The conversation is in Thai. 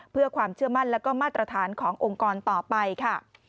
เพื่อความเชื่อมั่นและมาตรฐานขององค์กรต่อไปค่ะ